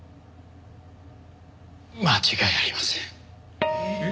間違いありません。